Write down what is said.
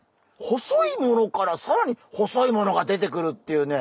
細いものからさらに細いものが出てくるっていうね